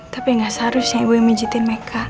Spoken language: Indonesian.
tapi gak seharusnya ibu yang pijetin meka